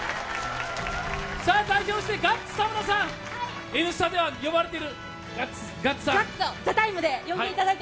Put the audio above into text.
代表してガッツ田村さん、インスタでは呼ばれている、ガッツと。